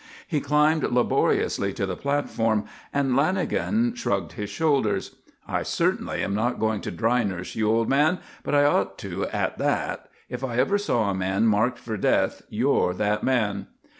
He climbed laboriously to the platform, and Lanagan shrugged his shoulders. "I certainly am not going to dry nurse you, old man, but I ought to at that. If I ever saw a man marked for death, you're that man."